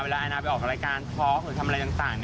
ไอนาไปออกรายการทอล์กหรือทำอะไรต่าง